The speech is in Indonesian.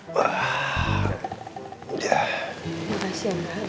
makasih ya enggak benar benar